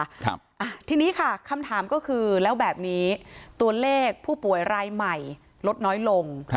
ครับอ่ะทีนี้ค่ะคำถามก็คือแล้วแบบนี้ตัวเลขผู้ป่วยรายใหม่ลดน้อยลง